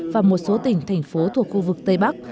và một số tỉnh thành phố thuộc khu vực tây bắc